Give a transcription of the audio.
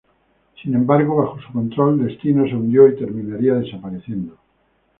Sin embargo, bajo su control "Destino" se hundió y terminaría desapareciendo.